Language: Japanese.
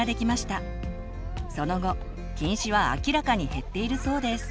その後近視は明らかに減っているそうです。